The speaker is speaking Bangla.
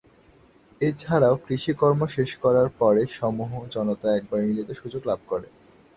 এ ছাড়াও কৃষি কর্ম শেষ করার পরে সমূহ জনতা একবার মিলিত সুযোগ লাভ করে।